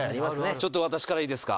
ちょっと私からいいですか？